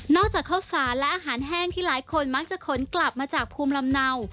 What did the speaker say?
จากข้าวสารและอาหารแห้งที่หลายคนมักจะขนกลับมาจากภูมิลำเนา